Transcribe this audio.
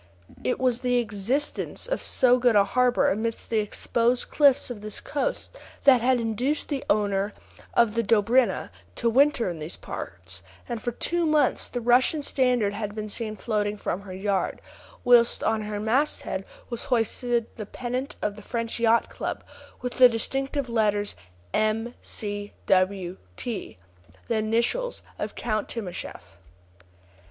It was the existence of so good a harbor amidst the exposed cliffs of this coast that had induced the owner of the Dobryna to winter in these parts, and for two months the Russian standard had been seen floating from her yard, whilst on her mast head was hoisted the pennant of the French Yacht Club, with the distinctive letters M. C. W. T., the initials of Count Timascheff.